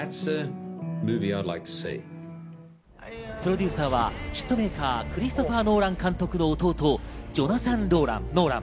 プロデューサーはヒットメーカー、クリストファー・ノーラン監督の弟、ジョナサン・ノーラン。